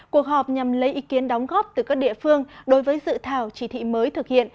cuộc họp nhằm lấy ý kiến đóng góp từ các địa phương đối với dự thảo chỉ thị mới thực hiện